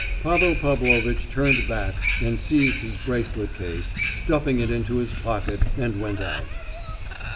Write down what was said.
Pavel Pavlovitch turned back and seized his bracelet case, stuffing it into his pocket, and went out.